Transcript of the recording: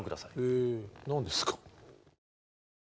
へえ何ですか？